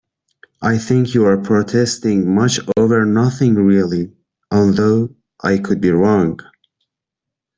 I think you're protesting much over nothing really, although I could be wrong.